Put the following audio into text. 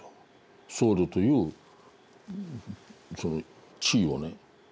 僧侶というその地位をね。